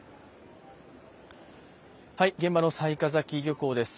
現場の雑賀崎漁港です。